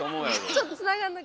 ちょっとつながんなく。